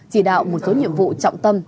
chỉ đạo một số nhiệm vụ trọng tâm